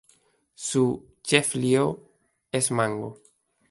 Su "chef-lieu" es Mango.